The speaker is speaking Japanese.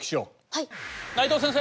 はい！